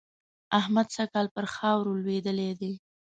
احمد سږ کال پر خاورو لوېدلی دی.